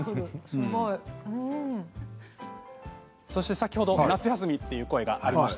先ほど夏休みという声がありました。